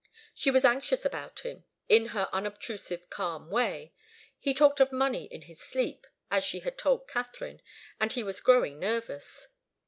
She was anxious about him, in her unobtrusive, calm way. He talked of money in his sleep, as she had told Katharine, and he was growing nervous.